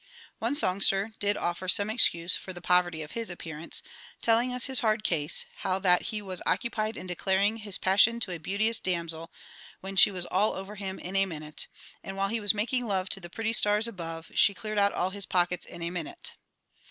One songster did offer some excuse for the poverty of his appearance, telling us his hard case, how that he was occupied in declaring his passion to a beauteous damsel, when she was "all over him in a minute," and, while he was making love to the pretty stars above, she cleared out all his pockets in a minute!